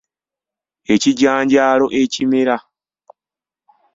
Ekijanjaalo ekimera.